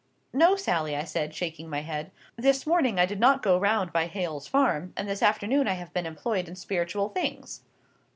'—'No, Sally,' I said, shaking my head, 'this morning I did not go round by Hale's farm, and this afternoon I have been employed in spiritual things.